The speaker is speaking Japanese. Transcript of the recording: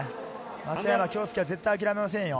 松山恭助は諦めませんよ。